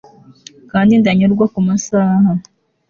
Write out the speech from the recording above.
Kandi ndanyurwa kumasaha